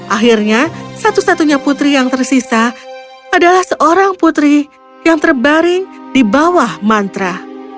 akhirnya satu satunya putri yang tersisa adalah seorang putri yang terbaring di bawah mantra